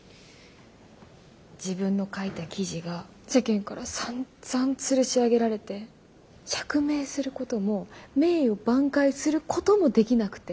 自分の書いた記事が世間からさんざんつるし上げられて釈明することも名誉挽回することもできなくて。